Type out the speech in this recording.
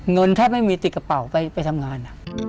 แทบไม่มีติดกระเป๋าไปทำงาน